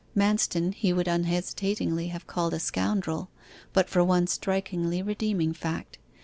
Manston he would unhesitatingly have called a scoundrel, but for one strikingly redeeming fact.